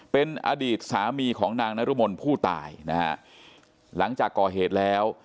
เป็นอดีตสามีของนางนรมนผู้ตายนะฮะหลังจากก่อเหตุแล้ว